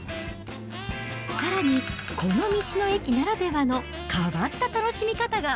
さらに、この道の駅ならではの変わった楽しみ方が。